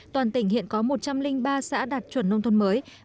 toàn tỉnh hiện có một trăm linh ba xã đạt chuẩn nông thôn mới